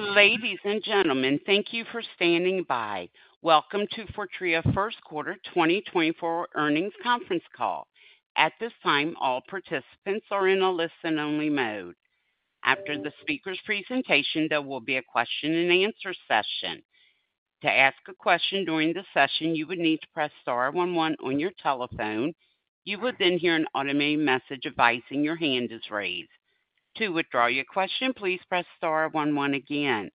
Ladies and gentlemen, thank you for standing by. Welcome to Fortrea first quarter 2024 earnings conference call. At this time, all participants are in a listen-only mode. After the speaker's presentation, there will be a question-and-answer session. To ask a question during the session, you would need to press star one one on your telephone. You will then hear an automated message advising your hand is raised. To withdraw your question, please press star one one again.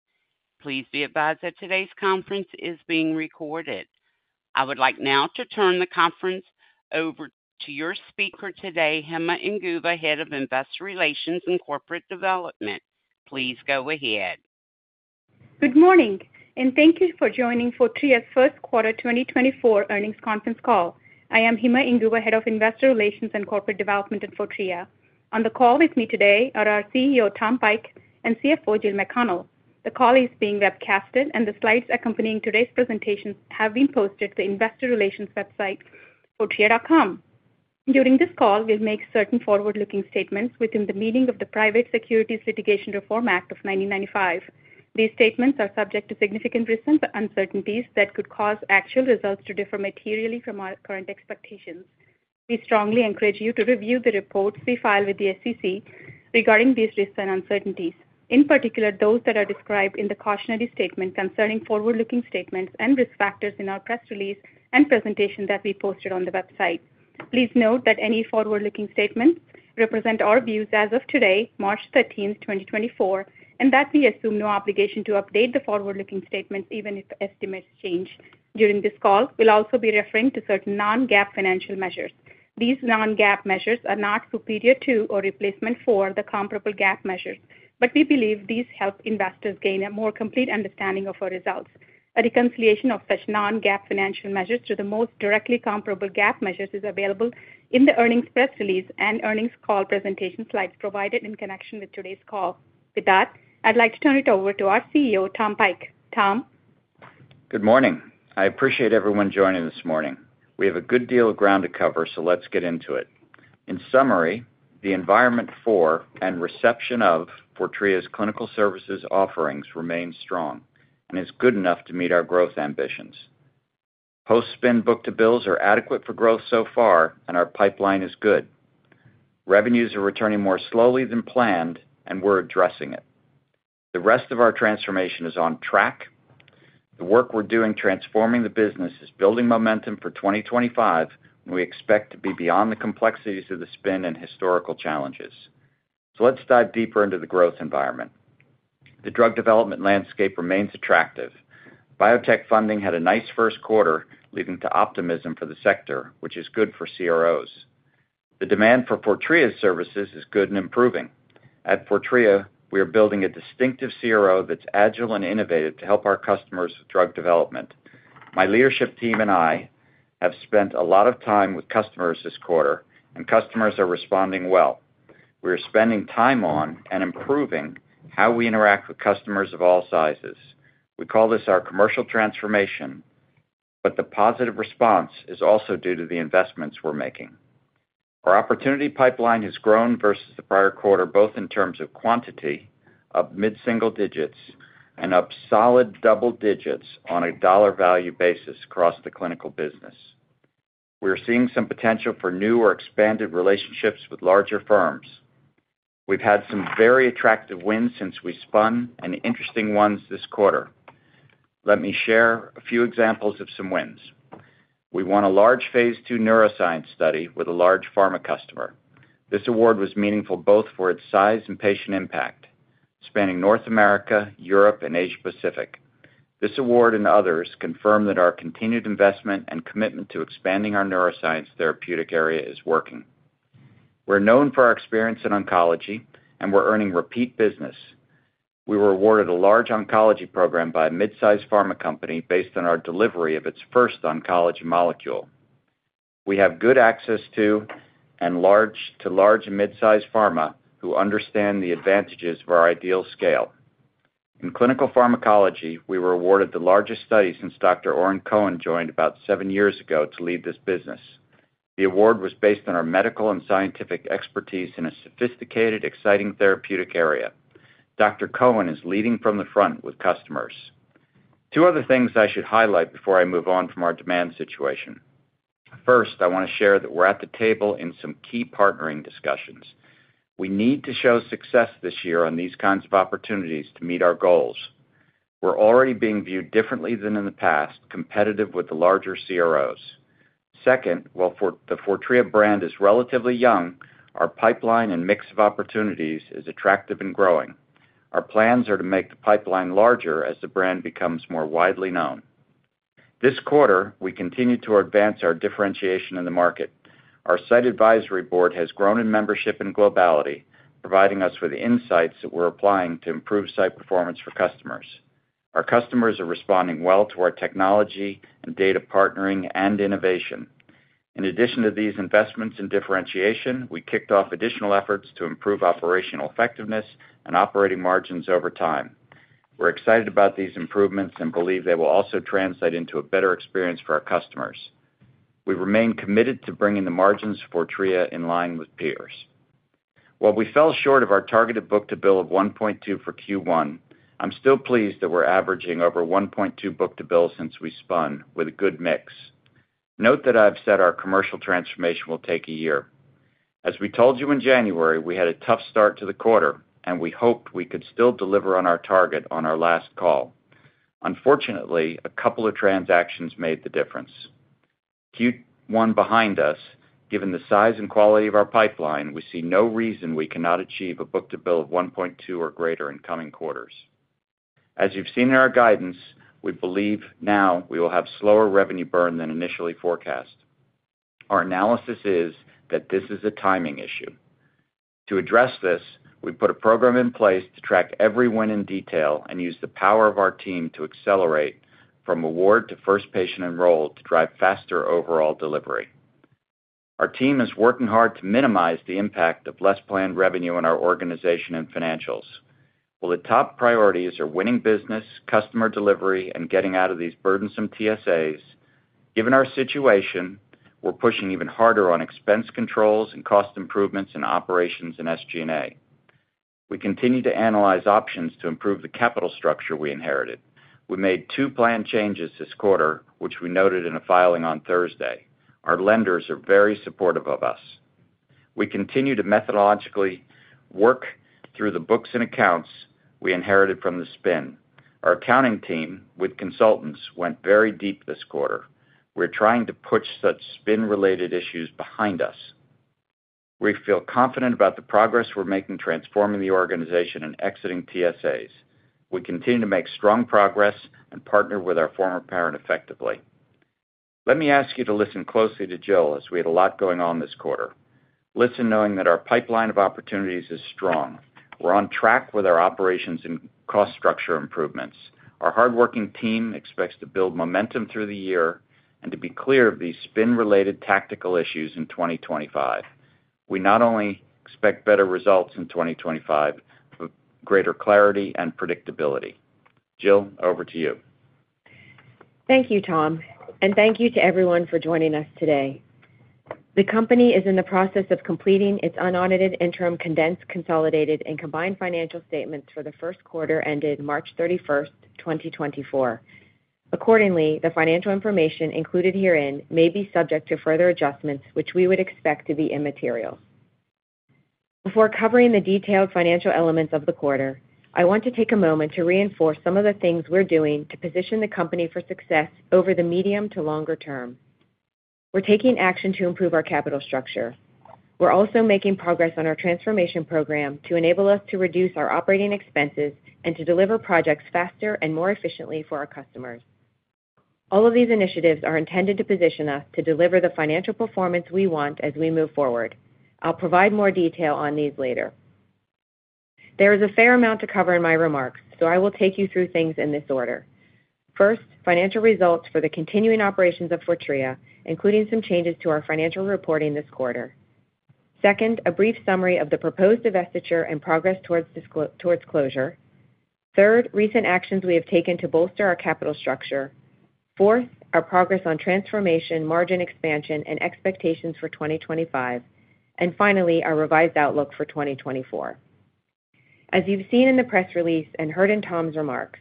Please be advised that today's conference is being recorded. I would like now to turn the conference over to your speaker today, Hima Inguva, Head of Investor Relations and Corporate Development. Please go ahead. Good morning, and thank you for joining Fortrea's first quarter 2024 earnings conference call. I am Hima Inguva, Head of Investor Relations and Corporate Development at Fortrea. On the call with me today are our CEO, Tom Pike, and CFO, Jill McConnell. The call is being webcasted, and the slides accompanying today's presentation have been posted to the investor relations website, fortrea.com. During this call, we'll make certain forward-looking statements within the meaning of the Private Securities Litigation Reform Act of 1995. These statements are subject to significant risks and uncertainties that could cause actual results to differ materially from our current expectations. We strongly encourage you to review the reports we file with the SEC regarding these risks and uncertainties, in particular those that are described in the cautionary statement concerning forward-looking statements and risk factors in our press release and presentation that we posted on the website. Please note that any forward-looking statements represent our views as of today, March 13, 2024, and that we assume no obligation to update the forward-looking statements even if estimates change. During this call, we'll also be referring to certain non-GAAP financial measures. These non-GAAP measures are not superior to or replacement for the comparable GAAP measures, but we believe these help investors gain a more complete understanding of our results. A reconciliation of such non-GAAP financial measures to the most directly comparable GAAP measures is available in the earnings press release and earnings call presentation slides provided in connection with today's call. With that, I'd like to turn it over to our CEO, Tom Pike. Tom? Good morning. I appreciate everyone joining this morning. We have a good deal of ground to cover, so let's get into it. In summary, the environment for and reception of Fortrea's clinical services offerings remains strong and is good enough to meet our growth ambitions. Post-spin book-to-bills are adequate for growth so far, and our pipeline is good. Revenues are returning more slowly than planned, and we're addressing it. The rest of our transformation is on track. The work we're doing transforming the business is building momentum for 2025, and we expect to be beyond the complexities of the spin and historical challenges. So let's dive deeper into the growth environment. The drug development landscape remains attractive. Biotech funding had a nice first quarter, leading to optimism for the sector, which is good for CROs. The demand for Fortrea's services is good and improving. At Fortrea, we are building a distinctive CRO that's agile and innovative to help our customers with drug development. My leadership team and I have spent a lot of time with customers this quarter, and customers are responding well. We are spending time on and improving how we interact with customers of all sizes. We call this our commercial transformation, but the positive response is also due to the investments we're making. Our opportunity pipeline has grown versus the prior quarter, both in terms of quantity, up mid-single digits, and up solid double digits on a dollar-value basis across the clinical business. We are seeing some potential for new or expanded relationships with larger firms. We've had some very attractive wins since we spun, and interesting ones this quarter. Let me share a few examples of some wins. We won a large phase II neuroscience study with a large pharma customer. This award was meaningful both for its size and patient impact, spanning North America, Europe, and Asia-Pacific. This award and others confirm that our continued investment and commitment to expanding our neuroscience therapeutic area is working. We're known for our experience in oncology, and we're earning repeat business. We were awarded a large oncology program by a midsize pharma company based on our delivery of its first oncology molecule. We have good access to and large to large and midsize pharma who understand the advantages of our ideal scale. In clinical pharmacology, we were awarded the largest study since Dr. Oren Cohen joined about seven years ago to lead this business. The award was based on our medical and scientific expertise in a sophisticated, exciting therapeutic area. Dr. Cohen is leading from the front with customers. Two other things I should highlight before I move on from our demand situation. First, I want to share that we're at the table in some key partnering discussions. We need to show success this year on these kinds of opportunities to meet our goals. We're already being viewed differently than in the past, competitive with the larger CROs. Second, while the Fortrea brand is relatively young, our pipeline and mix of opportunities is attractive and growing. Our plans are to make the pipeline larger as the brand becomes more widely known. This quarter, we continue to advance our differentiation in the market. Our Site Advisory Board has grown in membership and globality, providing us with insights that we're applying to improve site performance for customers. Our customers are responding well to our technology and data partnering and innovation. In addition to these investments in differentiation, we kicked off additional efforts to improve operational effectiveness and operating margins over time. We're excited about these improvements and believe they will also translate into a better experience for our customers. We remain committed to bringing the margins of Fortrea in line with peers. While we fell short of our targeted book-to-bill of 1.2 for Q1, I'm still pleased that we're averaging over 1.2 book-to-bill since we spun, with a good mix. Note that I've said our commercial transformation will take a year. As we told you in January, we had a tough start to the quarter, and we hoped we could still deliver on our target on our last call. Unfortunately, a couple of transactions made the difference. Q1 behind us, given the size and quality of our pipeline, we see no reason we cannot achieve a book-to-bill of 1.2 or greater in coming quarters. As you've seen in our guidance, we believe now we will have slower revenue burn than initially forecast. Our analysis is that this is a timing issue. To address this, we put a program in place to track every win in detail and use the power of our team to accelerate, from award to first patient enrolled, to drive faster overall delivery. Our team is working hard to minimize the impact of less planned revenue in our organization and financials. While the top priorities are winning business, customer delivery, and getting out of these burdensome TSAs, given our situation, we're pushing even harder on expense controls and cost improvements in operations and SG&A. We continue to analyze options to improve the capital structure we inherited. We made two plan changes this quarter, which we noted in a filing on Thursday. Our lenders are very supportive of us. We continue to methodologically work through the books and accounts we inherited from the spin. Our accounting team with consultants went very deep this quarter. We're trying to push such spin-related issues behind us. We feel confident about the progress we're making transforming the organization and exiting TSAs. We continue to make strong progress and partner with our former parent effectively. Let me ask you to listen closely to Jill, as we had a lot going on this quarter. Listen knowing that our pipeline of opportunities is strong. We're on track with our operations and cost structure improvements. Our hardworking team expects to build momentum through the year and to be clear of these spin-related tactical issues in 2025. We not only expect better results in 2025 but greater clarity and predictability. Jill, over to you. Thank you, Tom, and thank you to everyone for joining us today. The company is in the process of completing its unaudited interim condensed, consolidated, and combined financial statements for the first quarter ended March 31st, 2024. Accordingly, the financial information included herein may be subject to further adjustments, which we would expect to be immaterial. Before covering the detailed financial elements of the quarter, I want to take a moment to reinforce some of the things we're doing to position the company for success over the medium to longer term. We're taking action to improve our capital structure. We're also making progress on our transformation program to enable us to reduce our operating expenses and to deliver projects faster and more efficiently for our customers. All of these initiatives are intended to position us to deliver the financial performance we want as we move forward. I'll provide more detail on these later. There is a fair amount to cover in my remarks, so I will take you through things in this order. First, financial results for the continuing operations of Fortrea, including some changes to our financial reporting this quarter. Second, a brief summary of the proposed divestiture and progress towards closure. Third, recent actions we have taken to bolster our capital structure. Fourth, our progress on transformation, margin expansion, and expectations for 2025. And finally, our revised outlook for 2024. As you've seen in the press release and heard in Tom's remarks,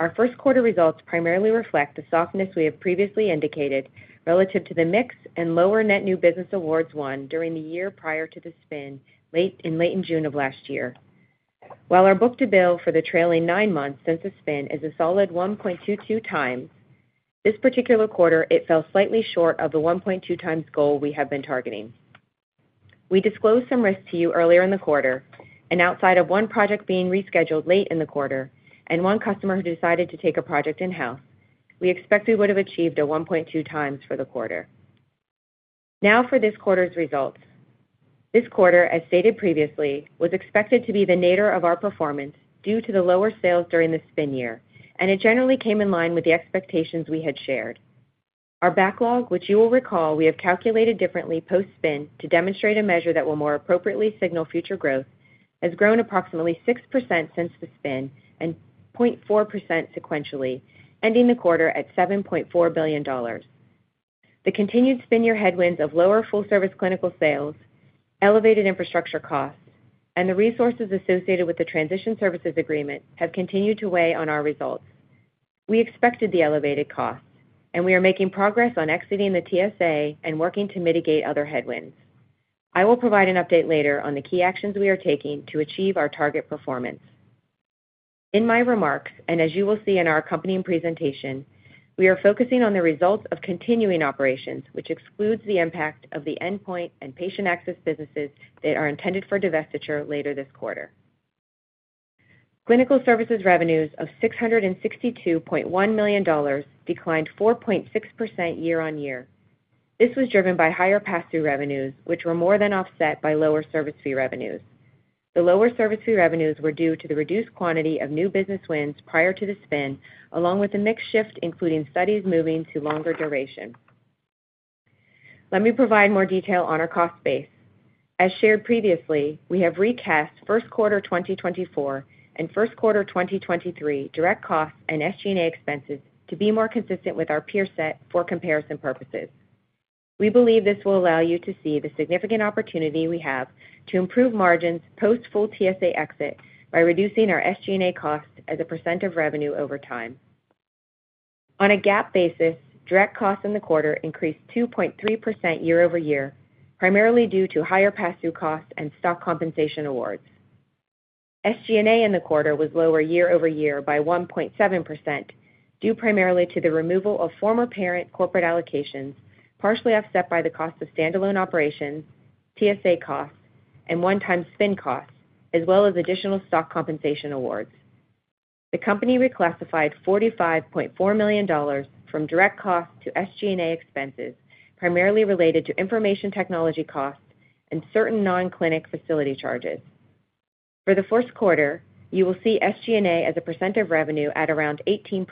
our first quarter results primarily reflect the softness we have previously indicated relative to the mix and lower net new business awards won during the year prior to the spin in late June of last year. While our book-to-bill for the trailing nine months since the spin is a solid 1.22x, this particular quarter it fell slightly short of the 1.2x goal we have been targeting. We disclosed some risks to you earlier in the quarter, and outside of one project being rescheduled late in the quarter and one customer who decided to take a project in-house, we expect we would have achieved a 1.2x for the quarter. Now for this quarter's results. This quarter, as stated previously, was expected to be the nadir of our performance due to the lower sales during the spin year, and it generally came in line with the expectations we had shared. Our backlog, which you will recall we have calculated differently post-spin to demonstrate a measure that will more appropriately signal future growth, has grown approximately 6% since the spin and 0.4% sequentially, ending the quarter at $7.4 billion. The continued spin-year headwinds of lower full-service clinical sales, elevated infrastructure costs, and the resources associated with the transition services agreement have continued to weigh on our results. We expected the elevated costs, and we are making progress on exiting the TSA and working to mitigate other headwinds. I will provide an update later on the key actions we are taking to achieve our target performance. In my remarks, and as you will see in our accompanying presentation, we are focusing on the results of continuing operations, which excludes the impact of the Endpoint and patient access businesses that are intended for divestiture later this quarter. Clinical services revenues of $662.1 million declined 4.6% year-on-year. This was driven by higher pass-through revenues, which were more than offset by lower service fee revenues. The lower service fee revenues were due to the reduced quantity of new business wins prior to the spin, along with a mixed shift including studies moving to longer duration. Let me provide more detail on our cost base. As shared previously, we have recast first quarter 2024 and first quarter 2023 direct costs and SG&A expenses to be more consistent with our peer set for comparison purposes. We believe this will allow you to see the significant opportunity we have to improve margins post-full TSA exit by reducing our SG&A costs as a percent of revenue over time. On a GAAP basis, direct costs in the quarter increased 2.3% year-over-year, primarily due to higher pass-through costs and stock compensation awards. SG&A in the quarter was lower year over year by 1.7% due primarily to the removal of former parent corporate allocations, partially offset by the cost of standalone operations, TSA costs, and one-time spin costs, as well as additional stock compensation awards. The company reclassified $45.4 million from direct costs to SG&A expenses, primarily related to information technology costs and certain non-clinic facility charges. For the first quarter, you will see SG&A as a percent of revenue at around 18%.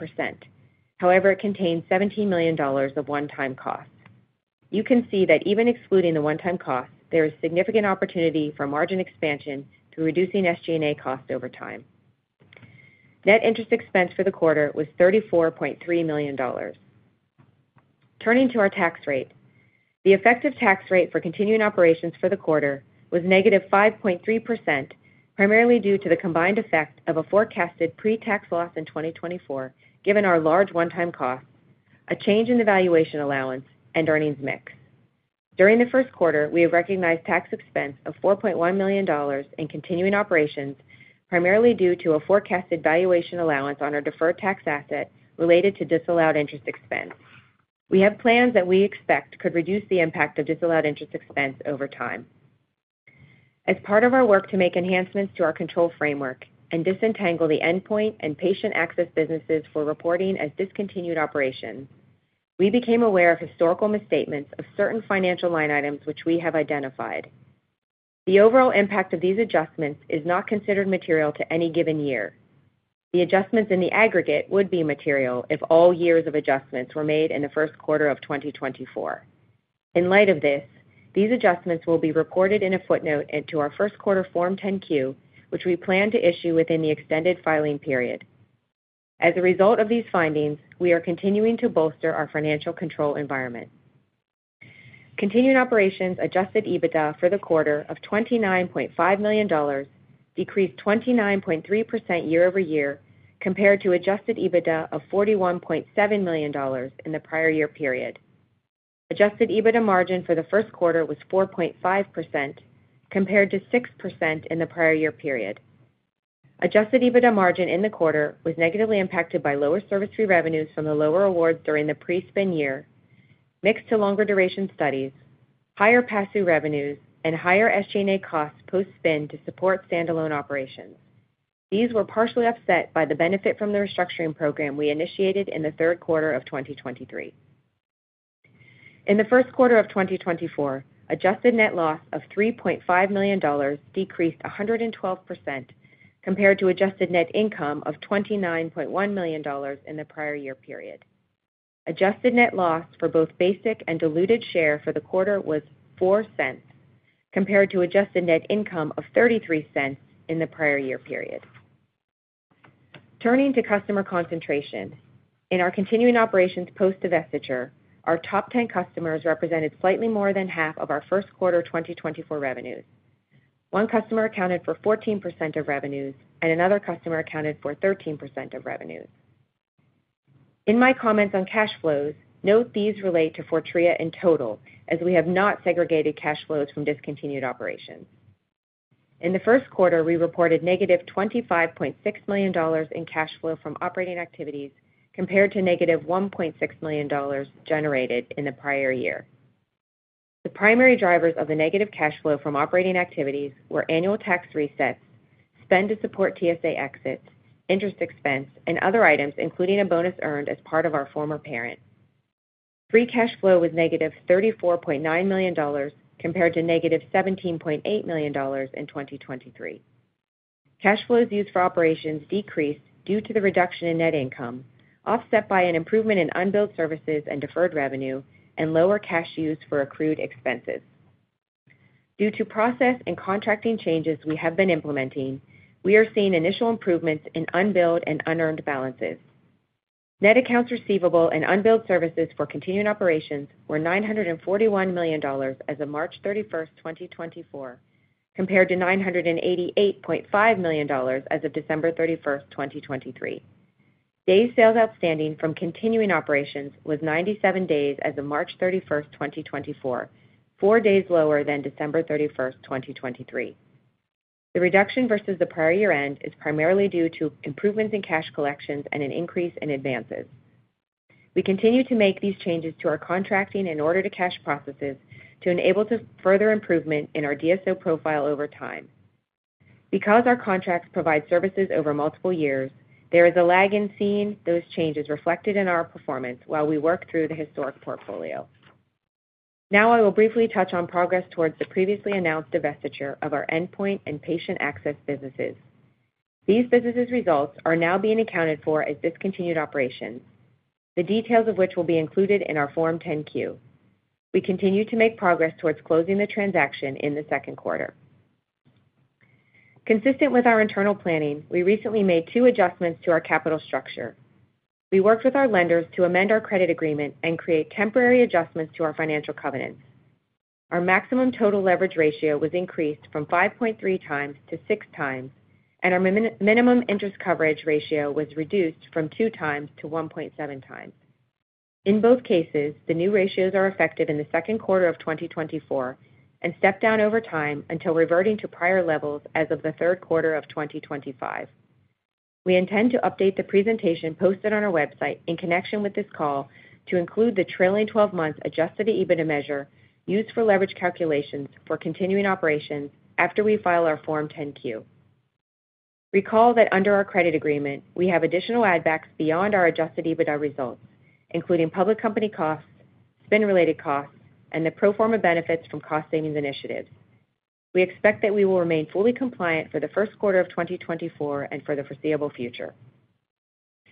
However, it contains $17 million of one-time costs. You can see that even excluding the one-time costs, there is significant opportunity for margin expansion through reducing SG&A costs over time. Net interest expense for the quarter was $34.3 million. Turning to our tax rate. The effective tax rate for continuing operations for the quarter was -5.3%, primarily due to the combined effect of a forecasted pre-tax loss in 2024 given our large one-time costs, a change in the valuation allowance, and earnings mix. During the first quarter, we have recognized tax expense of $4.1 million in continuing operations, primarily due to a forecasted valuation allowance on our deferred tax asset related to disallowed interest expense. We have plans that we expect could reduce the impact of disallowed interest expense over time. As part of our work to make enhancements to our control framework and disentangle the endpoint and patient access businesses for reporting as discontinued operations, we became aware of historical misstatements of certain financial line items which we have identified. The overall impact of these adjustments is not considered material to any given year. The adjustments in the aggregate would be material if all years of adjustments were made in the first quarter of 2024. In light of this, these adjustments will be reported in a footnote into our first quarter Form 10-Q, which we plan to issue within the extended filing period. As a result of these findings, we are continuing to bolster our financial control environment. Continuing operations adjusted EBITDA for the quarter of $29.5 million decreased 29.3% year-over-year compared to adjusted EBITDA of $41.7 million in the prior year period. Adjusted EBITDA margin for the first quarter was 4.5% compared to 6% in the prior year period. Adjusted EBITDA margin in the quarter was negatively impacted by lower service fee revenues from the lower awards during the pre-spin year, mixed to longer duration studies, higher pass-through revenues, and higher SG&A costs post-spin to support standalone operations. These were partially offset by the benefit from the restructuring program we initiated in the third quarter of 2023. In the first quarter of 2024, adjusted net loss of $3.5 million decreased 112% compared to adjusted net income of $29.1 million in the prior year period. Adjusted net loss for both basic and diluted share for the quarter was $0.04 compared to adjusted net income of $0.33 in the prior year period. Turning to customer concentration. In our continuing operations post-divestiture, our top 10 customers represented slightly more than half of our first quarter 2024 revenues. One customer accounted for 14% of revenues, and another customer accounted for 13% of revenues. In my comments on cash flows, note these relate to Fortrea in total, as we have not segregated cash flows from discontinued operations. In the first quarter, we reported -$25.6 million in cash flow from operating activities compared to -$1.6 million generated in the prior year. The primary drivers of the negative cash flow from operating activities were annual tax resets, spend to support TSA exits, interest expense, and other items including a bonus earned as part of our former parent. Free cash flow was -$34.9 million compared to -$17.8 million in 2023. Cash flows used for operations decreased due to the reduction in net income, offset by an improvement in unbilled services and deferred revenue, and lower cash use for accrued expenses. Due to process and contracting changes we have been implementing, we are seeing initial improvements in unbilled and unearned balances. Net accounts receivable and unbilled services for continuing operations were $941 million as of March 31st, 2024, compared to $988.5 million as of December 31st, 2023. Days Sales Outstanding from continuing operations was 97 days as of March 31st, 2024, four days lower than December 31st, 2023. The reduction versus the prior year end is primarily due to improvements in cash collections and an increase in advances. We continue to make these changes to our contracting and order-to-cash processes to enable further improvement in our DSO profile over time. Because our contracts provide services over multiple years, there is a lag in seeing those changes reflected in our performance while we work through the historic portfolio. Now I will briefly touch on progress towards the previously announced divestiture of our endpoint and patient access businesses. These businesses' results are now being accounted for as discontinued operations, the details of which will be included in our Form 10-Q. We continue to make progress towards closing the transaction in the second quarter. Consistent with our internal planning, we recently made two adjustments to our capital structure. We worked with our lenders to amend our credit agreement and create temporary adjustments to our financial covenants. Our maximum total leverage ratio was increased from 5.3x to 6x, and our minimum interest coverage ratio was reduced from 2x to 1.7x. In both cases, the new ratios are effective in the second quarter of 2024 and step down over time until reverting to prior levels as of the third quarter of 2025. We intend to update the presentation posted on our website in connection with this call to include the trailing 12 months Adjusted EBITDA measure used for leverage calculations for continuing operations after we file our Form 10-Q. Recall that under our credit agreement, we have additional add-backs beyond our Adjusted EBITDA results, including public company costs, spin-related costs, and the pro forma benefits from cost-savings initiatives. We expect that we will remain fully compliant for the first quarter of 2024 and for the foreseeable future.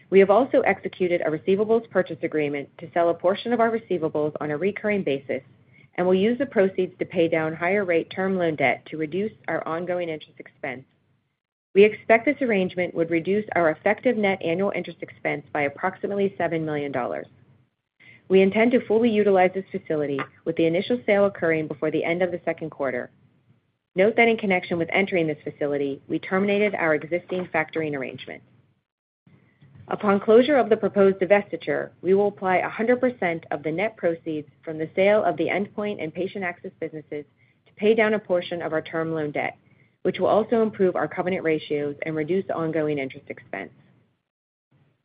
We have also executed a receivables purchase agreement to sell a portion of our receivables on a recurring basis, and we'll use the proceeds to pay down higher-rate term loan debt to reduce our ongoing interest expense. We expect this arrangement would reduce our effective net annual interest expense by approximately $7 million. We intend to fully utilize this facility, with the initial sale occurring before the end of the second quarter. Note that in connection with entering this facility, we terminated our existing factoring arrangement. Upon closure of the proposed divestiture, we will apply 100% of the net proceeds from the sale of the endpoint and patient access businesses to pay down a portion of our term loan debt, which will also improve our covenant ratios and reduce ongoing interest expense.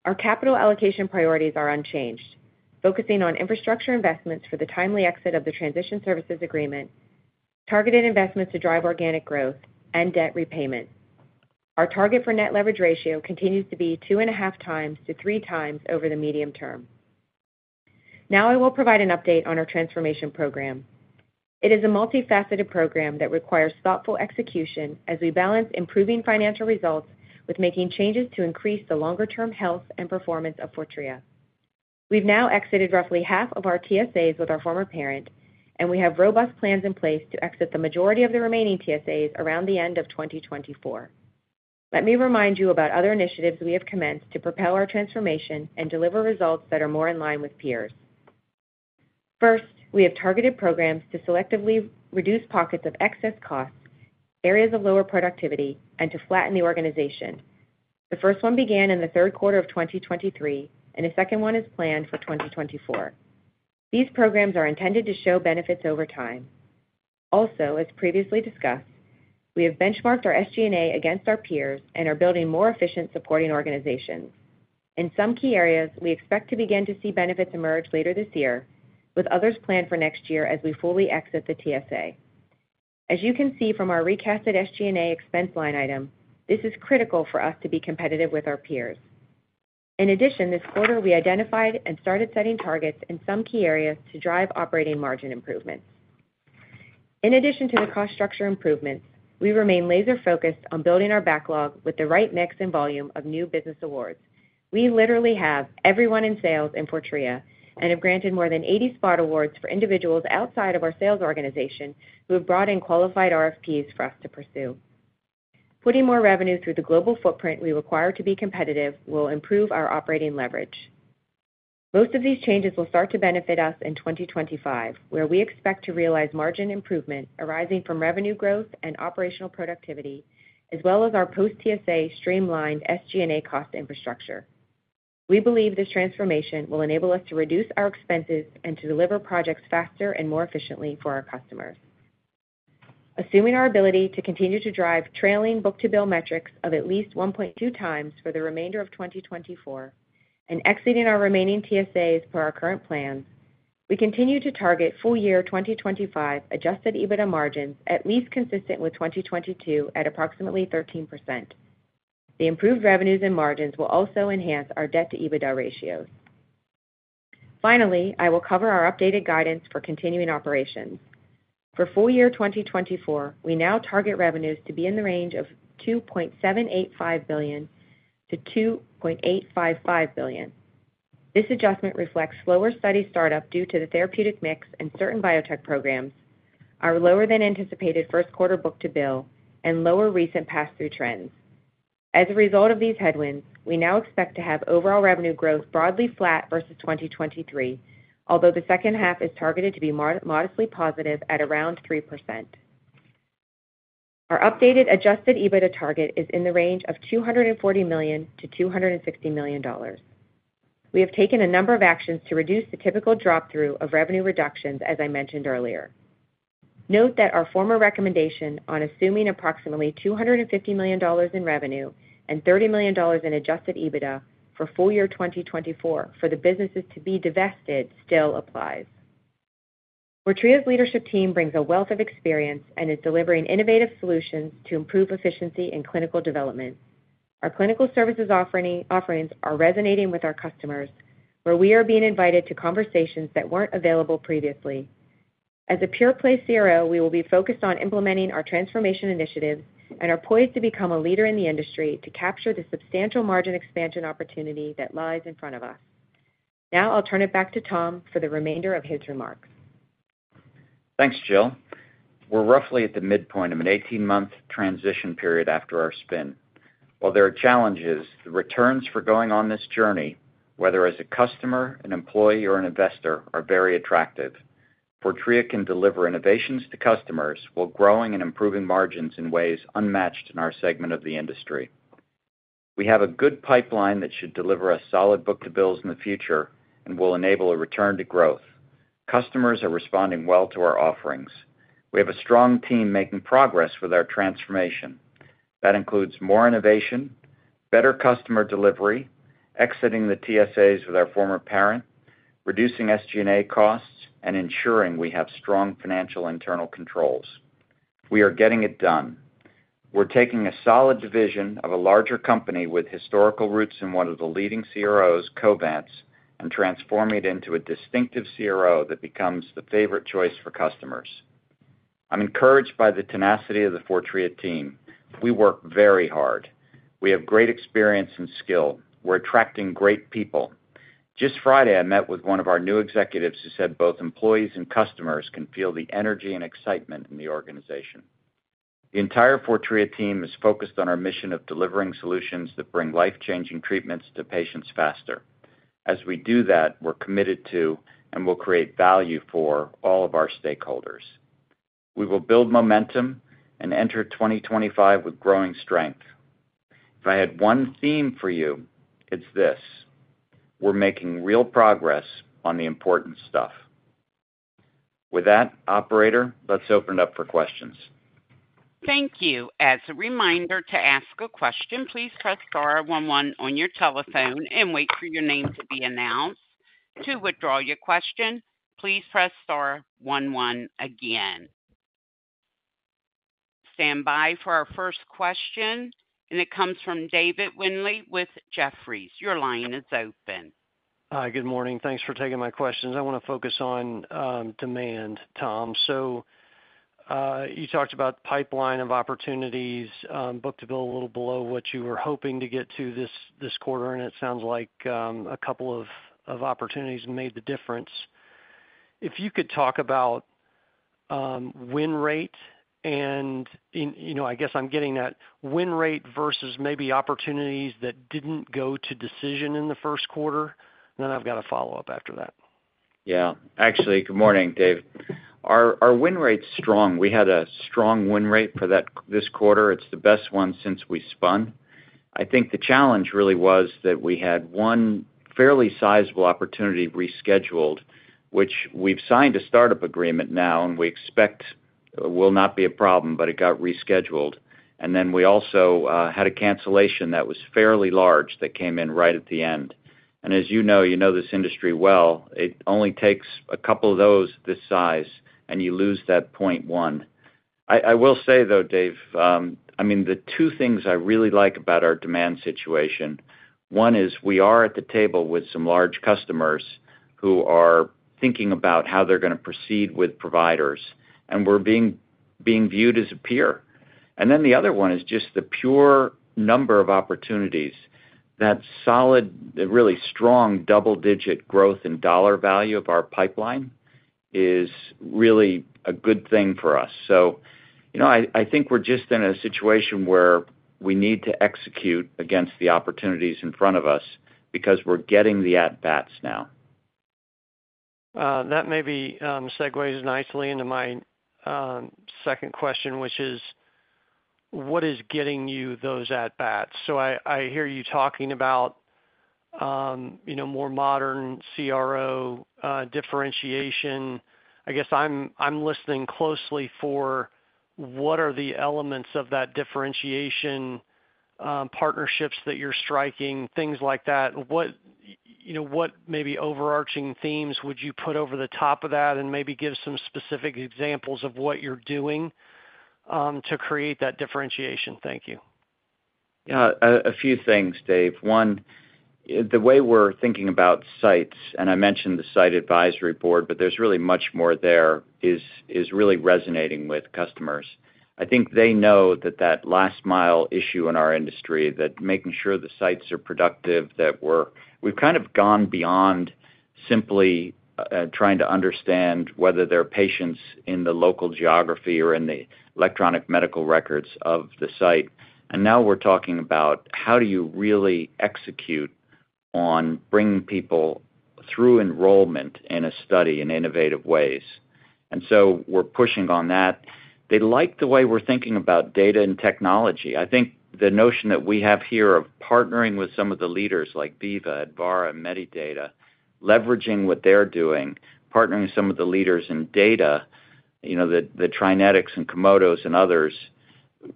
Our capital allocation priorities are unchanged, focusing on infrastructure investments for the timely exit of the transition services agreement, targeted investments to drive organic growth, and debt repayment. Our target for net leverage ratio continues to be 2.5x to 3x over the medium term. Now I will provide an update on our transformation program. It is a multifaceted program that requires thoughtful execution as we balance improving financial results with making changes to increase the longer-term health and performance of Fortrea. We've now exited roughly half of our TSAs with our former parent, and we have robust plans in place to exit the majority of the remaining TSAs around the end of 2024. Let me remind you about other initiatives we have commenced to propel our transformation and deliver results that are more in line with peers. First, we have targeted programs to selectively reduce pockets of excess costs, areas of lower productivity, and to flatten the organization. The first one began in the third quarter of 2023, and the second one is planned for 2024. These programs are intended to show benefits over time. Also, as previously discussed, we have benchmarked our SG&A against our peers and are building more efficient supporting organizations. In some key areas, we expect to begin to see benefits emerge later this year, with others planned for next year as we fully exit the TSA. As you can see from our recast SG&A expense line item, this is critical for us to be competitive with our peers. In addition, this quarter, we identified and started setting targets in some key areas to drive operating margin improvements. In addition to the cost structure improvements, we remain laser-focused on building our backlog with the right mix and volume of new business awards. We literally have everyone in sales in Fortrea and have granted more than 80 spot awards for individuals outside of our sales organization who have brought in qualified RFPs for us to pursue. Putting more revenue through the global footprint we require to be competitive will improve our operating leverage. Most of these changes will start to benefit us in 2025, where we expect to realize margin improvement arising from revenue growth and operational productivity, as well as our post-TSA streamlined SG&A cost infrastructure. We believe this transformation will enable us to reduce our expenses and to deliver projects faster and more efficiently for our customers. Assuming our ability to continue to drive trailing book-to-bill metrics of at least 1.2x for the remainder of 2024 and exiting our remaining TSAs per our current plans, we continue to target full-year 2025 Adjusted EBITDA margins at least consistent with 2022 at approximately 13%. The improved revenues and margins will also enhance our debt-to-EBITDA ratios. Finally, I will cover our updated guidance for continuing operations. For full-year 2024, we now target revenues to be in the range of $2.785 billion-$2.855 billion. This adjustment reflects slower study startup due to the therapeutic mix and certain biotech programs, our lower-than-anticipated first-quarter book-to-bill, and lower recent pass-through trends. As a result of these headwinds, we now expect to have overall revenue growth broadly flat versus 2023, although the second half is targeted to be modestly positive at around 3%. Our updated Adjusted EBITDA target is in the range of $240 million-$260 million. We have taken a number of actions to reduce the typical drop through of revenue reductions, as I mentioned earlier. Note that our former recommendation on assuming approximately $250 million in revenue and $30 million in Adjusted EBITDA for full-year 2024 for the businesses to be divested still applies. Fortrea's leadership team brings a wealth of experience and is delivering innovative solutions to improve efficiency in clinical development. Our clinical services offerings are resonating with our customers, where we are being invited to conversations that weren't available previously. As a pure-play CRO, we will be focused on implementing our transformation initiatives and are poised to become a leader in the industry to capture the substantial margin expansion opportunity that lies in front of us. Now I'll turn it back to Tom for the remainder of his remarks. Thanks, Jill. We're roughly at the midpoint of an 18-month transition period after our spin. While there are challenges, the returns for going on this journey, whether as a customer, an employee, or an investor, are very attractive. Fortrea can deliver innovations to customers while growing and improving margins in ways unmatched in our segment of the industry. We have a good pipeline that should deliver us solid book-to-bills in the future and will enable a return to growth. Customers are responding well to our offerings. We have a strong team making progress with our transformation. That includes more innovation, better customer delivery, exiting the TSAs with our former parent, reducing SG&A costs, and ensuring we have strong financial internal controls. We are getting it done. We're taking a solid division of a larger company with historical roots in one of the leading CROs, Covance, and transforming it into a distinctive CRO that becomes the favorite choice for customers. I'm encouraged by the tenacity of the Fortrea team. We work very hard. We have great experience and skill. We're attracting great people. Just Friday, I met with one of our new executives who said both employees and customers can feel the energy and excitement in the organization. The entire Fortrea team is focused on our mission of delivering solutions that bring life-changing treatments to patients faster. As we do that, we're committed to and will create value for all of our stakeholders. We will build momentum and enter 2025 with growing strength. If I had one theme for you, it's this: we're making real progress on the important stuff. With that, operator, let's open it up for questions. Thank you. As a reminder to ask a question, please press star one one on your telephone and wait for your name to be announced. To withdraw your question, please press star one one again. Stand by for our first question, and it comes from David Windley with Jefferies. Your line is open. Good morning. Thanks for taking my questions. I want to focus on demand, Tom. So you talked about pipeline of opportunities, book-to-bill a little below what you were hoping to get to this quarter, and it sounds like a couple of opportunities made the difference. If you could talk about win rate and I guess I'm getting that win rate versus maybe opportunities that didn't go to decision in the first quarter, then I've got a follow-up after that. Yeah. Actually, good morning, Dave. Our win rate's strong. We had a strong win rate for this quarter. It's the best one since we spun. I think the challenge really was that we had one fairly sizable opportunity rescheduled, which we've signed a startup agreement now, and we expect it will not be a problem, but it got rescheduled. And then we also had a cancellation that was fairly large that came in right at the end. And as you know, you know this industry well, it only takes a couple of those this size, and you lose that 0.1. I will say, though, Dave, I mean, the two things I really like about our demand situation: one is we are at the table with some large customers who are thinking about how they're going to proceed with providers, and we're being viewed as a peer. Then the other one is just the pure number of opportunities. That solid, really strong double-digit growth in dollar value of our pipeline is really a good thing for us. I think we're just in a situation where we need to execute against the opportunities in front of us because we're getting the at-bats now. That maybe segues nicely into my second question, which is: what is getting you those at-bats? So I hear you talking about more modern CRO differentiation. I guess I'm listening closely for what are the elements of that differentiation, partnerships that you're striking, things like that. What maybe overarching themes would you put over the top of that and maybe give some specific examples of what you're doing to create that differentiation? Thank you. Yeah. A few things, Dave. One, the way we're thinking about sites - and I mentioned the Site Advisory Board, but there's really much more there - is really resonating with customers. I think they know that that last-mile issue in our industry, that making sure the sites are productive, that we've kind of gone beyond simply trying to understand whether there are patients in the local geography or in the electronic medical records of the site. And now we're talking about how do you really execute on bringing people through enrollment in a study in innovative ways. And so we're pushing on that. They like the way we're thinking about data and technology. I think the notion that we have here of partnering with some of the leaders like Veeva, Advarra, and Medidata, leveraging what they're doing, partnering with some of the leaders in data, the TriNetX and Komodo and others,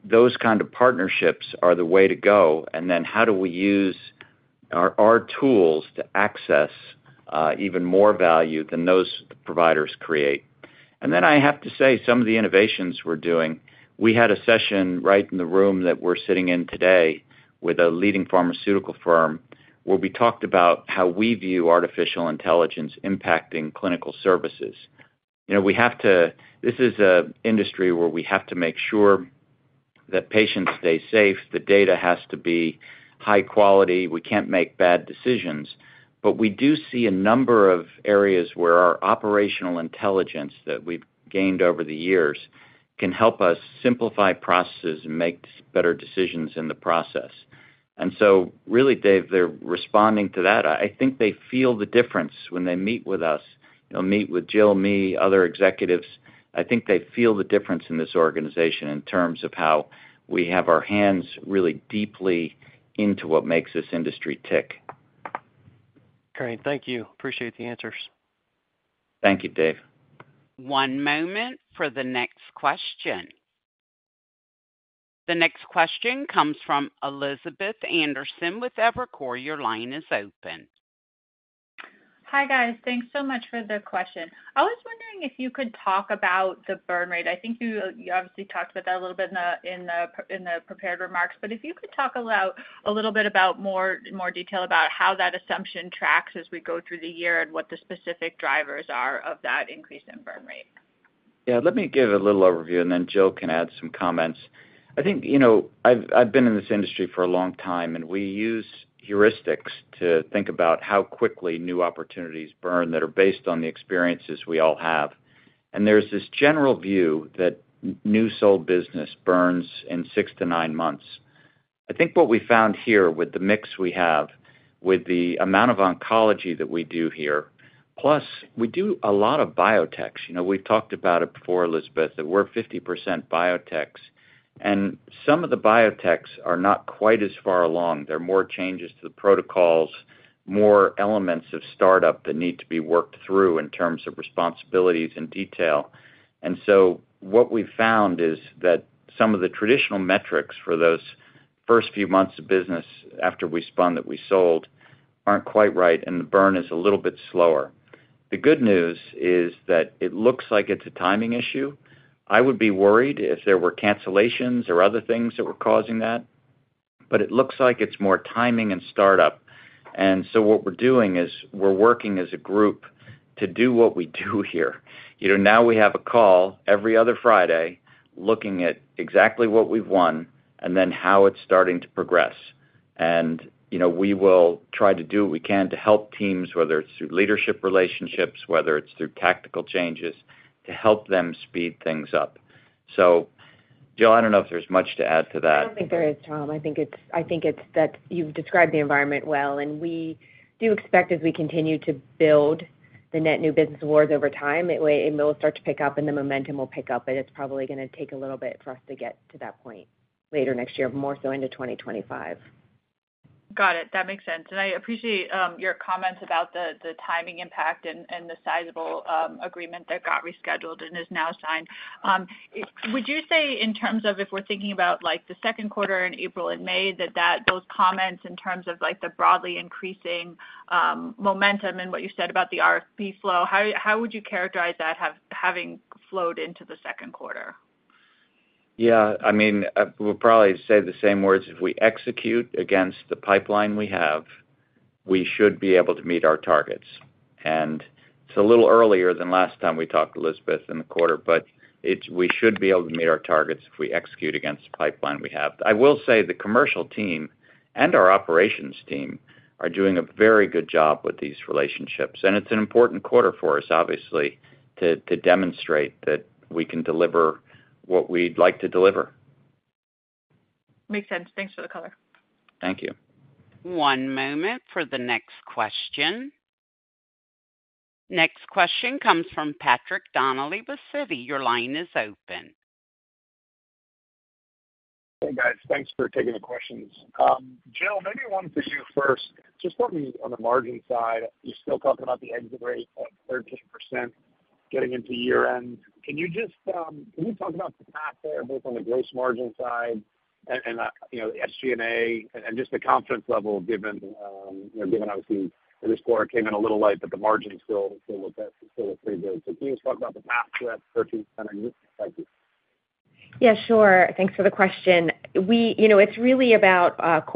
those kind of partnerships are the way to go. And then how do we use our tools to access even more value than those providers create? And then I have to say, some of the innovations we're doing we had a session right in the room that we're sitting in today with a leading pharmaceutical firm where we talked about how we view artificial intelligence impacting clinical services. We have to this is an industry where we have to make sure that patients stay safe. The data has to be high quality. We can't make bad decisions. But we do see a number of areas where our operational intelligence that we've gained over the years can help us simplify processes and make better decisions in the process. And so really, Dave, they're responding to that. I think they feel the difference when they meet with us, meet with Jill, me, other executives. I think they feel the difference in this organization in terms of how we have our hands really deeply into what makes this industry tick. Great. Thank you. Appreciate the answers. Thank you, Dave. One moment for the next question. The next question comes from Elizabeth Anderson with Evercore. Your line is open. Hi, guys. Thanks so much for the question. I was wondering if you could talk about the burn rate. I think you obviously talked about that a little bit in the prepared remarks. But if you could talk a little bit more detail about how that assumption tracks as we go through the year and what the specific drivers are of that increase in burn rate. Yeah. Let me give a little overview, and then Jill can add some comments. I think I've been in this industry for a long time, and we use heuristics to think about how quickly new opportunities burn that are based on the experiences we all have. There's this general view that new-sold business burns in 6months- 9months. I think what we found here with the mix we have, with the amount of oncology that we do here, plus we do a lot of biotechs—we've talked about it before, Elizabeth, that we're 50% biotechs—and some of the biotechs are not quite as far along. There are more changes to the protocols, more elements of startup that need to be worked through in terms of responsibilities and detail. And so what we've found is that some of the traditional metrics for those first few months of business after we spun that we sold aren't quite right, and the burn is a little bit slower. The good news is that it looks like it's a timing issue. I would be worried if there were cancellations or other things that were causing that, but it looks like it's more timing and startup. And so what we're doing is we're working as a group to do what we do here. Now we have a call every other Friday looking at exactly what we've won and then how it's starting to progress. And we will try to do what we can to help teams, whether it's through leadership relationships, whether it's through tactical changes, to help them speed things up. So Jill, I don't know if there's much to add to that. I don't think there is, Tom. I think it's that you've described the environment well, and we do expect, as we continue to build the net new business awards over time, it will start to pick up, and the momentum will pick up. But it's probably going to take a little bit for us to get to that point later next year, more so into 2025. Got it. That makes sense. I appreciate your comments about the timing impact and the sizable agreement that got rescheduled and is now signed. Would you say, in terms of if we're thinking about the second quarter in April and May, that those comments in terms of the broadly increasing momentum and what you said about the RFP flow, how would you characterize that having flowed into the second quarter? Yeah. I mean, we'll probably say the same words. If we execute against the pipeline we have, we should be able to meet our targets. And it's a little earlier than last time we talked, Elizabeth, in the quarter, but we should be able to meet our targets if we execute against the pipeline we have. I will say the commercial team and our operations team are doing a very good job with these relationships. And it's an important quarter for us, obviously, to demonstrate that we can deliver what we'd like to deliver. Makes sense. Thanks for the [color]. Thank you. One moment for the next question. Next question comes from Patrick Donnelly with Citi. Your line is open. Hey, guys. Thanks for taking the questions. Jill, maybe one for you first. Just let me on the margin side, you're still talking about the exit rate of 13% getting into year-end. Can you talk about the path there, both on the gross margin side and the SG&A and just the confidence level, given obviously, this quarter came in a little light, but the margins still look pretty good. So can you just talk about the path to that 13% exit? Thank you. Yeah, sure. Thanks for the question. It's really about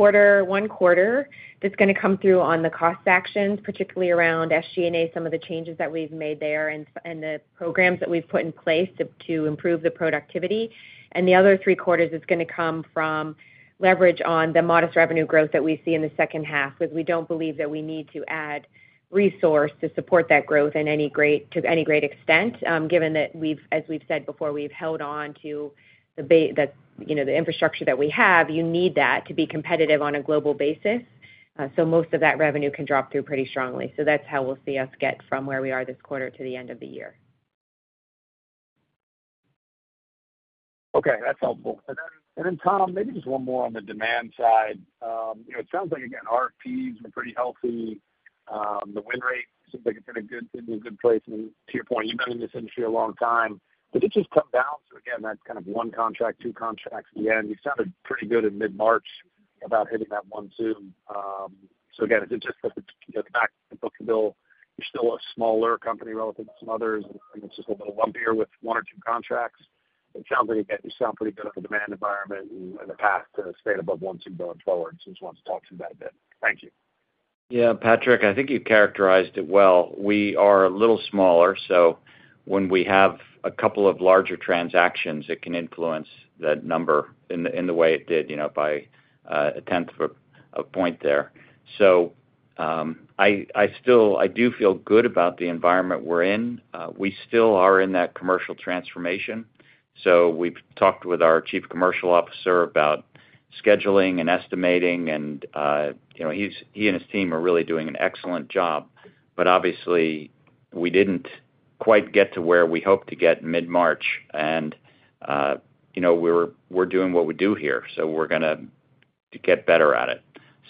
one quarter that's going to come through on the cost actions, particularly around SG&A, some of the changes that we've made there and the programs that we've put in place to improve the productivity. And the other three quarters, it's going to come from leverage on the modest revenue growth that we see in the second half, because we don't believe that we need to add resource to support that growth to any great extent, given that, as we've said before, we've held on to the infrastructure that we have. You need that to be competitive on a global basis, so most of that revenue can drop through pretty strongly. So that's how we'll see us get from where we are this quarter to the end of the year. Okay. That's helpful. And then, Tom, maybe just one more on the demand side. It sounds like, again, RFPs were pretty healthy. The win rate seems like it's in a good place to your point. You've been in this industry a long time. Did it just come down? So again, that's kind of one contract, two contracts at the end. You sounded pretty good in mid-March about hitting that 1.2. So again, is it just that the fact that the book-to-bill, you're still a smaller company relative to some others, and it's just a little lumpier with one or two contracts? It sounds like, again, you sound pretty good on the demand environment and the path to staying above 1.2 going forward. So I just wanted to talk to you about it. Thank you. Yeah. Patrick, I think you've characterized it well. We are a little smaller, so when we have a couple of larger transactions, it can influence that number in the way it did by a 1/10 of a point there. So I do feel good about the environment we're in. We still are in that commercial transformation. So we've talked with our chief commercial officer about scheduling and estimating, and he and his team are really doing an excellent job. But obviously, we didn't quite get to where we hoped to get mid-March, and we're doing what we do here, so we're going to get better at it.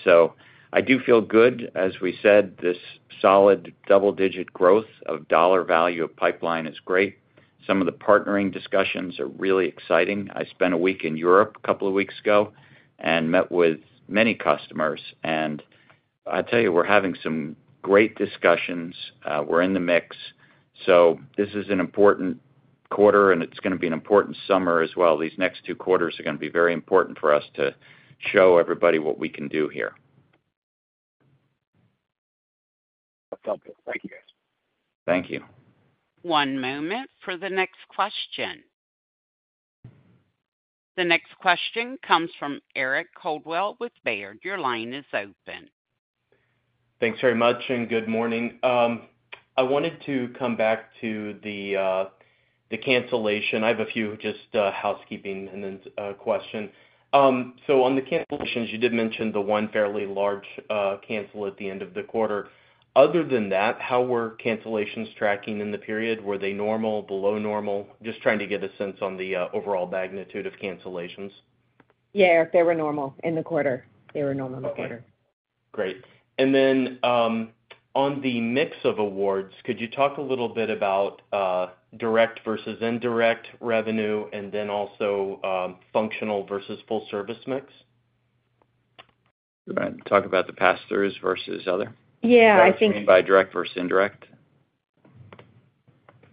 So I do feel good. As we said, this solid double-digit growth of dollar value of pipeline is great. Some of the partnering discussions are really exciting. I spent a week in Europe a couple of weeks ago and met with many customers. I'll tell you, we're having some great discussions. We're in the mix. This is an important quarter, and it's going to be an important summer as well. These next two quarters are going to be very important for us to show everybody what we can do here. That sounds good. Thank you, guys. Thank you. One moment for the next question. The next question comes from Eric Coldwell with Baird. Your line is open. Thanks very much, and good morning. I wanted to come back to the cancellation. I have a few just housekeeping questions. So on the cancellations, you did mention the one fairly large cancel at the end of the quarter. Other than that, how were cancellations tracking in the period? Were they normal, below normal? Just trying to get a sense on the overall magnitude of cancellations. Yeah. They were normal in the quarter. They were normal in the quarter. Great. And then on the mix of awards, could you talk a little bit about direct versus indirect revenue and then also functional versus full-service mix? You want to talk about the pass-throughs versus other? Yeah. I think. You're talking by direct versus indirect?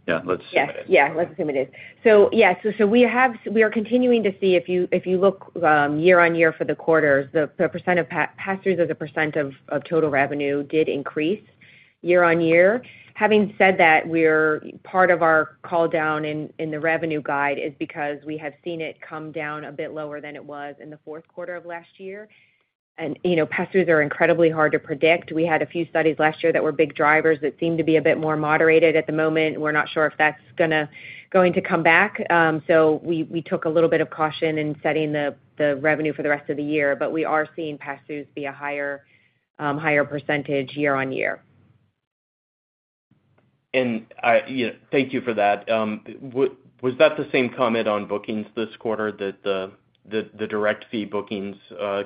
Yeah. Let's assume it is. Yeah. Yeah. Let's assume it is. So yeah. So we are continuing to see, if you look year-over-year for the quarters, the % of phase IIIs as a % of total revenue did increase year-over-year. Having said that, part of our call down in the revenue guide is because we have seen it come down a bit lower than it was in the fourth quarter of last year. And phase IIIs are incredibly hard to predict. We had a few studies last year that were big drivers that seemed to be a bit more moderated at the moment. We're not sure if that's going to come back. So we took a little bit of caution in setting the revenue for the rest of the year. But we are seeing phase IIIs be a higher percentage year-over-year. Thank you for that. Was that the same comment on bookings this quarter, that the direct fee bookings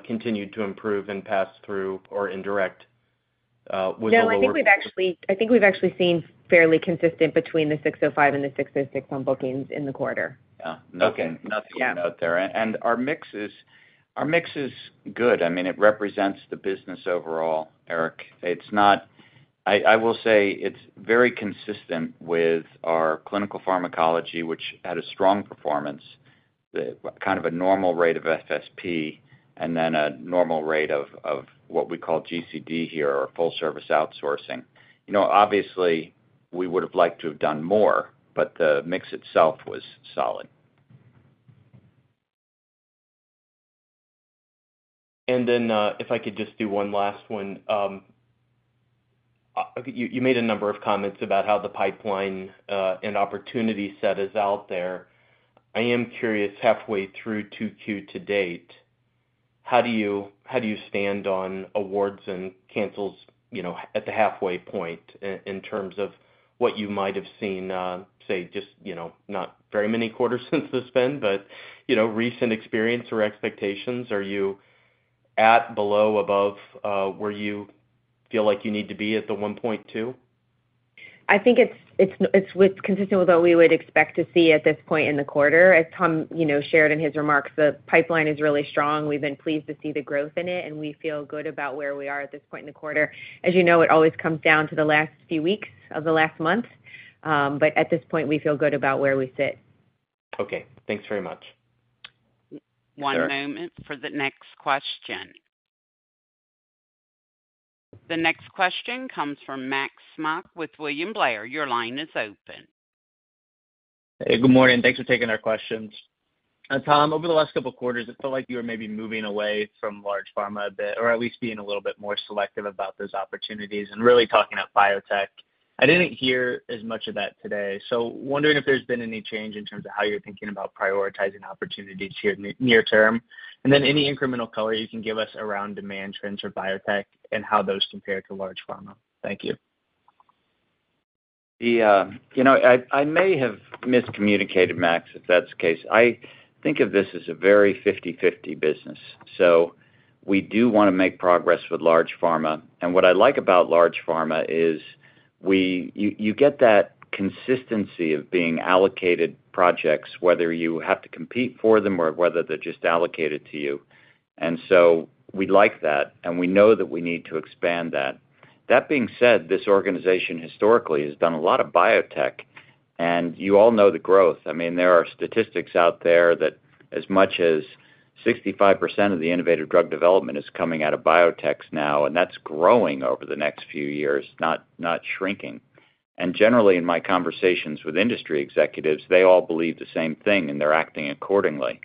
continued to improve in pass-through or indirect with all the awards? No. I think we've actually seen fairly consistent between the 605 and the 606 on bookings in the quarter. Yeah. Nothing to note there. Our mix is good. I mean, it represents the business overall, Eric. I will say it's very consistent with our clinical pharmacology, which had a strong performance, kind of a normal rate of FSP, and then a normal rate of what we call GCD here or full-service outsourcing. Obviously, we would have liked to have done more, but the mix itself was solid. And then if I could just do one last one. You made a number of comments about how the pipeline and opportunity set is out there. I am curious, halfway through 2Q to date, how do you stand on awards and cancels at the halfway point in terms of what you might have seen, say, just not very many quarters since the spin, but recent experience or expectations? Are you at, below, above where you feel like you need to be at the 1.2? I think it's consistent with what we would expect to see at this point in the quarter. As Tom shared in his remarks, the pipeline is really strong. We've been pleased to see the growth in it, and we feel good about where we are at this point in the quarter. As you know, it always comes down to the last few weeks of the last month. But at this point, we feel good about where we sit. Okay. Thanks very much. One moment for the next question. The next question comes from Max Smock with William Blair. Your line is open. Hey. Good morning. Thanks for taking our questions. Tom, over the last couple of quarters, it felt like you were maybe moving away from large pharma a bit or at least being a little bit more selective about those opportunities and really talking about biotech. I didn't hear as much of that today. So wondering if there's been any change in terms of how you're thinking about prioritizing opportunities here near-term, and then any incremental color you can give us around demand trends for biotech and how those compare to large pharma. Thank you. I may have miscommunicated, Max, if that's the case. I think of this as a very 50/50 business. So we do want to make progress with large pharma. And what I like about large pharma is you get that consistency of being allocated projects, whether you have to compete for them or whether they're just allocated to you. And so we like that, and we know that we need to expand that. That being said, this organization historically has done a lot of biotech, and you all know the growth. I mean, there are statistics out there that as much as 65% of the innovative drug development is coming out of biotechs now, and that's growing over the next few years, not shrinking. And generally, in my conversations with industry executives, they all believe the same thing, and they're acting accordingly.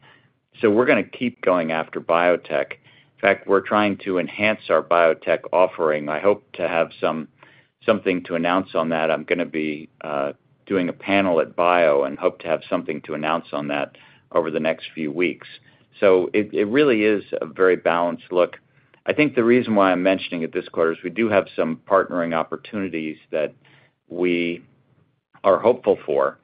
So we're going to keep going after biotech. In fact, we're trying to enhance our biotech offering. I hope to have something to announce on that. I'm going to be doing a panel at BIO and hope to have something to announce on that over the next few weeks. So it really is a very balanced look. I think the reason why I'm mentioning it this quarter is we do have some partnering opportunities that we are hopeful for.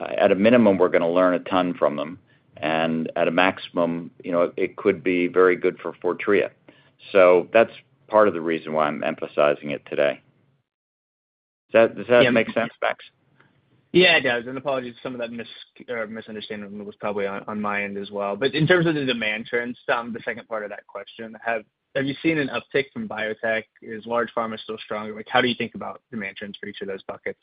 At a minimum, we're going to learn a ton from them. And at a maximum, it could be very good for Fortrea. So that's part of the reason why I'm emphasizing it today. Does that make sense, Max? Yeah. It does. Apologies for some of that misunderstanding. It was probably on my end as well. But in terms of the demand trends, Tom, the second part of that question, have you seen an uptick from biotech? Is large pharma still stronger? How do you think about demand trends for each of those buckets?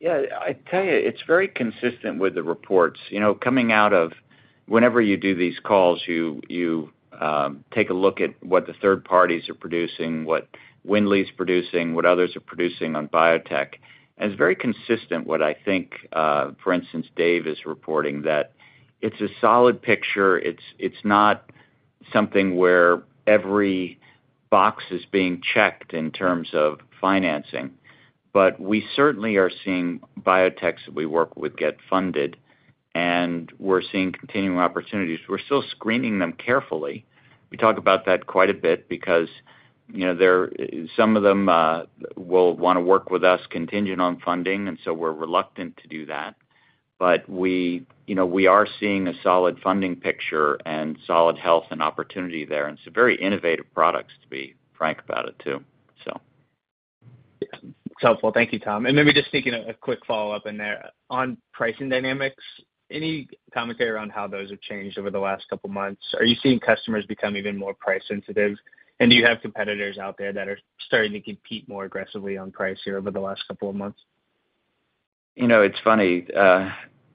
Yeah. I'll tell you, it's very consistent with the reports. Coming out of whenever you do these calls, you take a look at what the third parties are producing, what Windley's producing, what others are producing on biotech. It's very consistent, what I think, for instance, Dave is reporting, that it's a solid picture. It's not something where every box is being checked in terms of financing. We certainly are seeing biotechs that we work with get funded, and we're seeing continuing opportunities. We're still screening them carefully. We talk about that quite a bit because some of them will want to work with us, contingent on funding, and so we're reluctant to do that. We are seeing a solid funding picture and solid health and opportunity there. It's very innovative products, to be frank about it, too, so. It's helpful. Thank you, Tom. Maybe just sneaking a quick follow-up in there. On pricing dynamics, any commentary around how those have changed over the last couple of months? Are you seeing customers become even more price-sensitive? Do you have competitors out there that are starting to compete more aggressively on price here over the last couple of months? It's funny.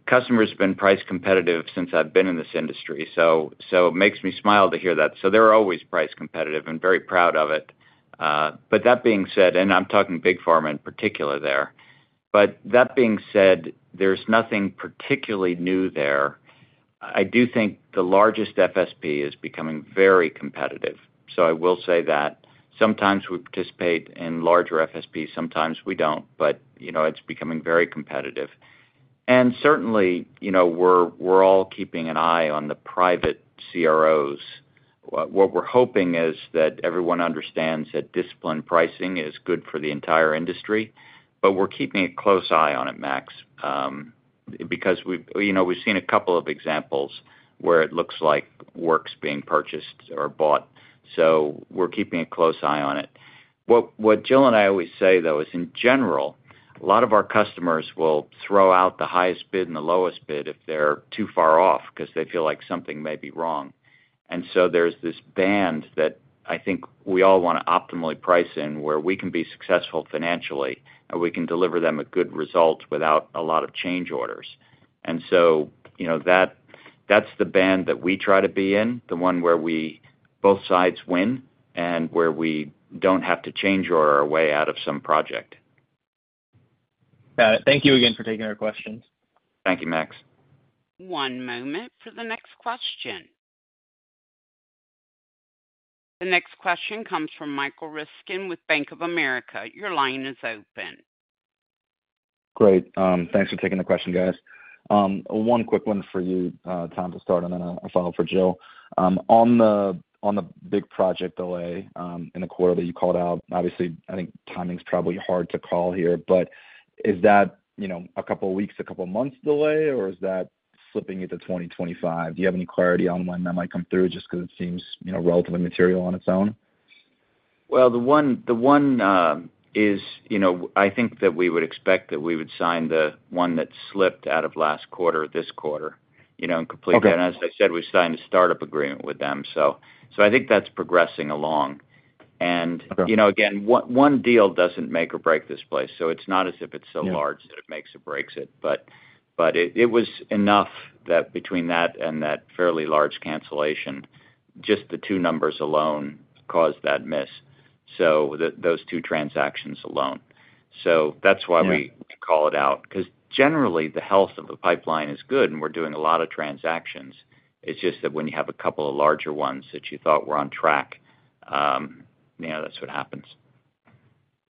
Customers have been price-competitive since I've been in this industry, so it makes me smile to hear that. So they're always price-competitive and very proud of it. But that being said, and I'm talking big pharma in particular there, but that being said, there's nothing particularly new there. I do think the largest FSP is becoming very competitive. So I will say that. Sometimes we participate in larger FSPs. Sometimes we don't, but it's becoming very competitive. And certainly, we're all keeping an eye on the private CROs. What we're hoping is that everyone understands that disciplined pricing is good for the entire industry. But we're keeping a close eye on it, Max, because we've seen a couple of examples where it looks like work's being purchased or bought. So we're keeping a close eye on it. What Jill and I always say, though, is in general, a lot of our customers will throw out the highest bid and the lowest bid if they're too far off because they feel like something may be wrong. And so there's this band that I think we all want to optimally price in where we can be successful financially and we can deliver them a good result without a lot of change orders. And so that's the band that we try to be in, the one where both sides win and where we don't have to change order our way out of some project. Got it. Thank you again for taking our questions. Thank you, Max. One moment for the next question. The next question comes from Michael Ryskin with Bank of America. Your line is open. Great. Thanks for taking the question, guys. One quick one for you, Tom, to start, and then a follow-up for Jill. On the big project delay in the quarter that you called out, obviously, I think timing's probably hard to call here. But is that a couple of weeks, a couple of months delay, or is that slipping into 2025? Do you have any clarity on when that might come through just because it seems relatively material on its own? Well, the one is I think that we would expect that we would sign the one that slipped out of last quarter this quarter and complete that. And as I said, we signed a startup agreement with them. So I think that's progressing along. And again, one deal doesn't make or break this place. So it's not as if it's so large that it makes or breaks it. But it was enough that between that and that fairly large cancellation, just the two numbers alone caused that miss, so those two transactions alone. So that's why we called it out because generally, the health of a pipeline is good, and we're doing a lot of transactions. It's just that when you have a couple of larger ones that you thought were on track, that's what happens.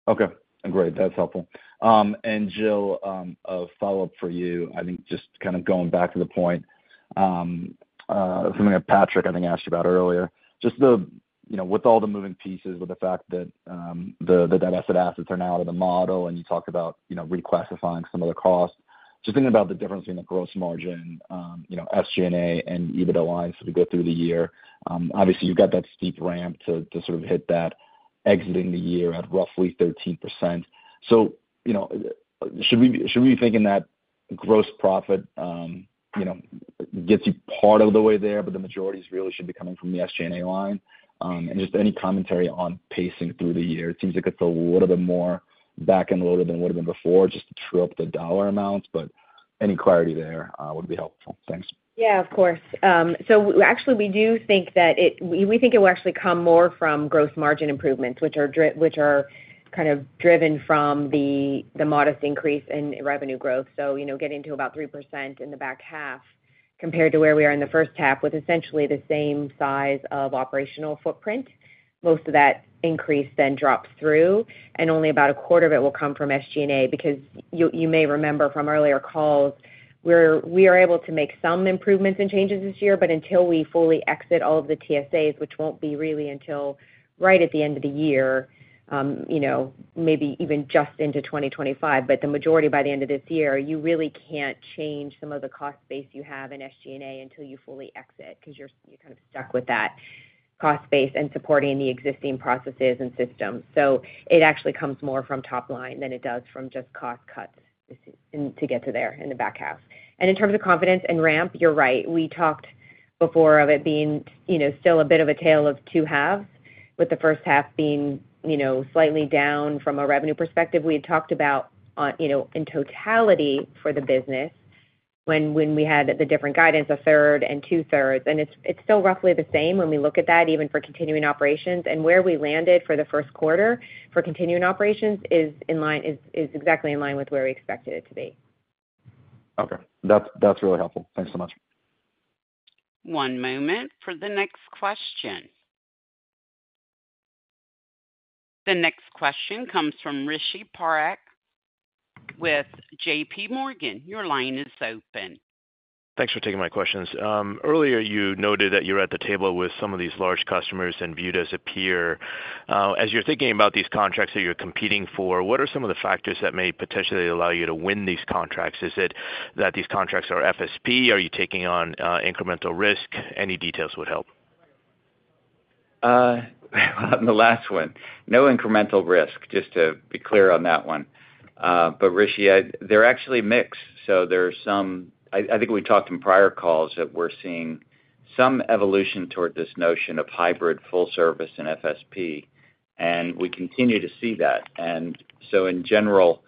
Okay. Great. That's helpful. And Jill, a follow-up for you. I think just kind of going back to the point, something that Patrick, I think, asked you about earlier. Just with all the moving pieces, with the fact that assets are now out of the model, and you talked about reclassifying some of the costs, just thinking about the difference between the gross margin, SG&A, and EBITDA lines as we go through the year. Obviously, you've got that steep ramp to sort of hit that, exiting the year at roughly 13%. So should we be thinking that gross profit gets you part of the way there, but the majority really should be coming from the SG&A line? And just any commentary on pacing through the year? It seems like it's a little bit more back-loaded than it would have been before, just to hit the dollar amounts. But any clarity there would be helpful. Thanks. Yeah. Of course. So actually, we do think that we think it will actually come more from gross margin improvements, which are kind of driven from the modest increase in revenue growth. So getting to about 3% in the back half compared to where we are in the first half with essentially the same size of operational footprint. Most of that increase then drops through, and only about a quarter of it will come from SG&A because you may remember from earlier calls, we are able to make some improvements and changes this year. But until we fully exit all of the TSAs, which won't be really until right at the end of the year, maybe even just into 2025, but the majority by the end of this year, you really can't change some of the cost base you have in SG&A until you fully exit because you're kind of stuck with that cost base and supporting the existing processes and systems. So it actually comes more from top line than it does from just cost cuts to get to there in the back half. And in terms of confidence and ramp, you're right. We talked before of it being still a bit of a tale of two halves, with the first half being slightly down from a revenue perspective. We had talked about, in totality, for the business, when we had the different guidance, 1/3 and 2/3. It's still roughly the same when we look at that, even for continuing operations. Where we landed for the first quarter for continuing operations is exactly in line with where we expected it to be. Okay. That's really helpful. Thanks so much. One moment for the next question. The next question comes from Rishi Parekh with J.P. Morgan. Your line is open. Thanks for taking my questions. Earlier, you noted that you were at the table with some of these large customers and viewed as a peer. As you're thinking about these contracts that you're competing for, what are some of the factors that may potentially allow you to win these contracts? Is it that these contracts are FSP? Are you taking on incremental risk? Any details would help. Well, on the last one, no incremental risk, just to be clear on that one. But Rishi, they're actually mixed. So there's some I think we talked in prior calls that we're seeing some evolution toward this notion of hybrid, full-service, and FSP. And we continue to see that. And so in general,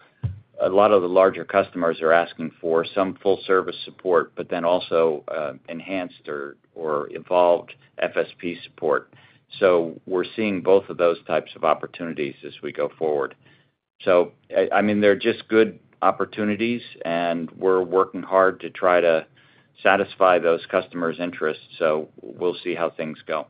a lot of the larger customers are asking for some full-service support but then also enhanced or evolved FSP support. So we're seeing both of those types of opportunities as we go forward. So I mean, they're just good opportunities, and we're working hard to try to satisfy those customers' interests. So we'll see how things go.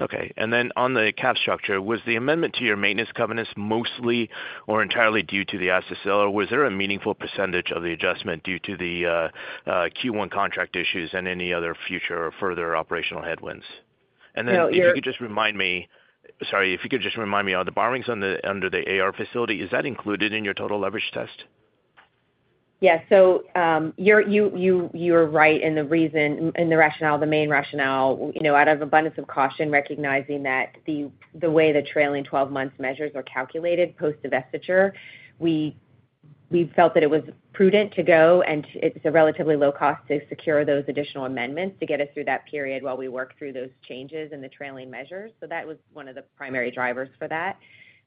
Okay. And then on the cap structure, was the amendment to your maintenance covenants mostly or entirely due to the asset sale, or was there a meaningful percentage of the adjustment due to the Q1 contract issues and any other future or further operational headwinds? And then if you could just remind me sorry, if you could just remind me, are the borrowings under the AR facility, is that included in your total leverage test? Yeah. So you're right in the rationale, the main rationale, out of abundance of caution, recognizing that the way the trailing 12-month measures are calculated post-divestiture, we felt that it was prudent to go, and it's a relatively low cost to secure those additional amendments to get us through that period while we work through those changes and the trailing measures. So that was one of the primary drivers for that.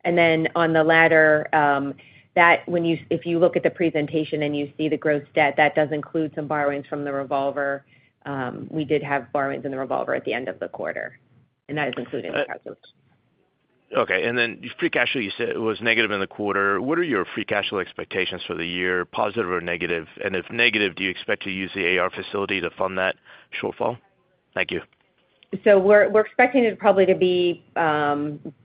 And then on the latter, if you look at the presentation and you see the gross debt, that does include some borrowings from the revolver. We did have borrowings in the revolver at the end of the quarter, and that is included in the calculation. Okay. And then free cash flow, you said it was negative in the quarter. What are your free cash flow expectations for the year, positive or negative? And if negative, do you expect to use the AR facility to fund that shortfall? Thank you. So we're expecting it probably to be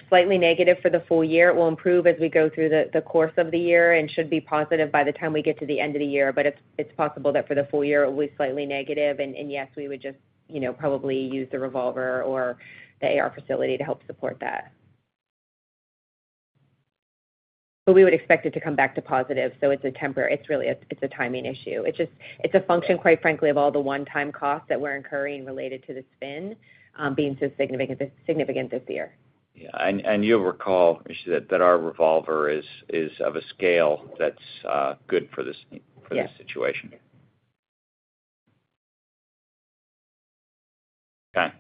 slightly negative for the full year. It will improve as we go through the course of the year and should be positive by the time we get to the end of the year. But it's possible that for the full year, it will be slightly negative. And yes, we would just probably use the revolver or the AR facility to help support that. But we would expect it to come back to positive. So it's really a timing issue. It's a function, quite frankly, of all the one-time costs that we're incurring related to the spin being so significant this year. Yeah. You'll recall, Rishi, that our revolver is of a scale that's good for this situation. Yeah. Okay.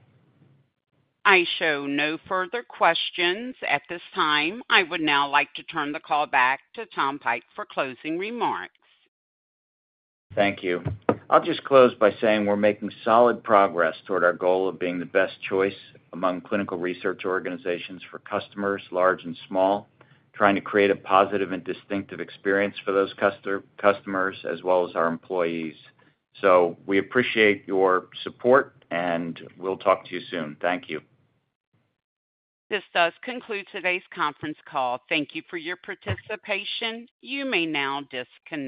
I show no further questions at this time. I would now like to turn the call back to Tom Pike for closing remarks. Thank you. I'll just close by saying we're making solid progress toward our goal of being the best choice among clinical research organizations for customers, large and small, trying to create a positive and distinctive experience for those customers as well as our employees. So we appreciate your support, and we'll talk to you soon. Thank you. This does conclude today's conference call. Thank you for your participation. You may now disconnect.